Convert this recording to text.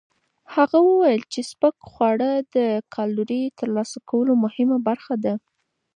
هغه وویل چې سپک خواړه د کالورۍ ترلاسه کولو مهمه برخه ده.